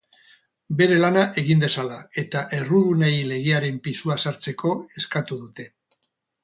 Bere lana egin dezala eta errudunei legearen pisua ezartzeko eskatu dute.